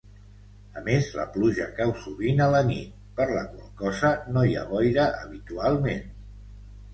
A més, la pluja cau sovint a la nit, per la qual cosa no hi ha boira habitualment.